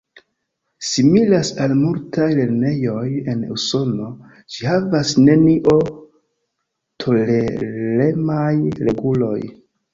Similas al multaj lernejoj en usono, ĝi havas nenio-toleremaj reguloj.